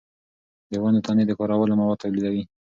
د ونو تنې د کارولو مواد تولیدوي.